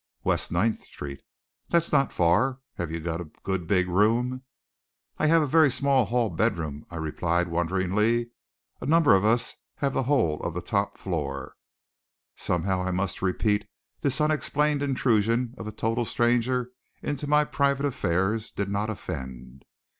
"West Ninth Street." "That's not far. Have you a good big room?" "I have a very small hall bedroom," I replied wonderingly; "a number of us have the whole of the top floor." Somehow, I must repeat, this unexplained intrusion of a total stranger into my private affairs did not offend.